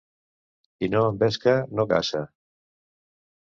Qui no envesca no caça.